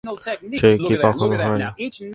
সে কি কখনো হয়?